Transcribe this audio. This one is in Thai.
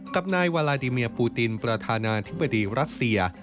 กับนายวาลาดิเมียปูตินประธานาธิบดีรัสเซีย